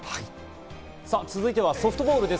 続いてはソフトボールです。